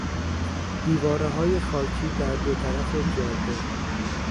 دیوارههای خاکی در دو طرف جاده